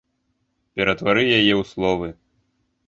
Ператвары яе ў словы!